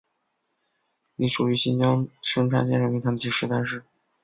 隶属于新疆生产建设兵团第十三师。